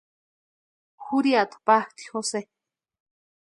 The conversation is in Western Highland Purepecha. Jurhiata patʼii Jose.